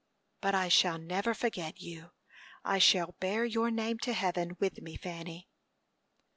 But I shall never forget you; I shall bear your name to heaven with me, Fanny."